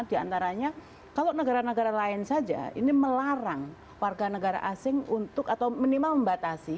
di antaranya kalau negara negara lain saja ini melarang warga negara asing untuk atau minimal membatasi